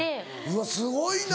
うわすごいな！